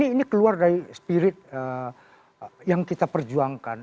ini keluar dari spirit yang kita perjuangkan